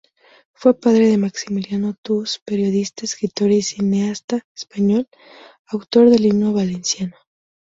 Fue padre de Maximiliano Thous, periodista, escritor y cineasta español, autor del himno valenciano.